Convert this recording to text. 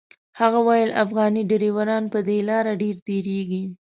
هغه ویل افغاني ډریوران په دې لاره ډېر تېرېږي.